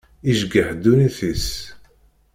Ijeggeḥ ddunit-is.